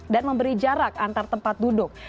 dan memberi jarak antar tempat duduk